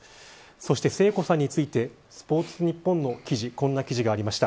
そして聖子さんについてスポーツニッポンの記事こんな記事がありました。